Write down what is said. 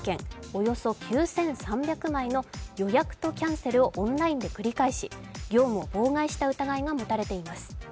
およそ９３００枚の予約とキャンセルをオンラインで繰り返し業務を妨害した疑いが持たれています。